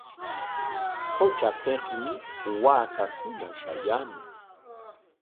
Qutrapikmi waakakuna shayaamuq.